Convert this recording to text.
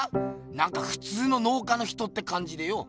なんかふつうの農家の人ってかんじでよ。